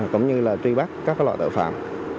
cũng như là truy bắt các loại tội phạm